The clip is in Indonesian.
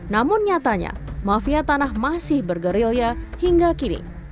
namun nyatanya mafia tanah masih bergerilya hingga kini